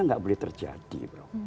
tidak boleh terjadi